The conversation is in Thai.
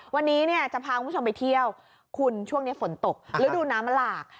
วันนี้เนี่ยจะพาคุณผู้ชมไปเที่ยวคุณช่วงนี้ฝนตกฤดูน้ำมันหลาก